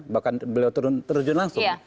bahkan beliau terjun langsung